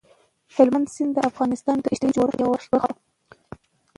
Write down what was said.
هلمند سیند د افغانستان د اجتماعي جوړښت یوه برخه ده.